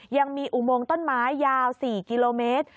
ยังมีอุโมงต้นไม้ยาว๔กิโลเมตร